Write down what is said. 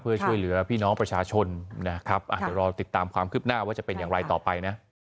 เพื่อช่วยเหลือพี่น้องประชาชนนะครับเดี๋ยวรอติดตามความคืบหน้าว่าจะเป็นอย่างไรต่อไปนะ